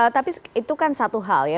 tapi itu kan satu hal ya